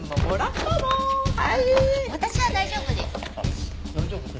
私は大丈夫です。